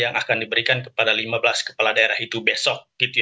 yang akan diberikan kepada lima belas kepala daerah itu besok